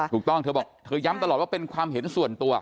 เธอบอกเธอย้ำตลอดว่าเป็นความเห็นส่วนตัว